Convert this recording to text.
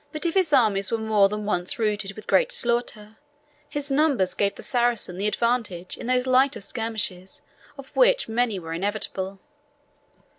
But if his armies were more than once routed with great slaughter, his numbers gave the Saracen the advantage in those lighter skirmishes, of which many were inevitable.